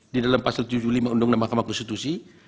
di dalam pasal tujuh puluh lima undang undang mahkamah konstitusi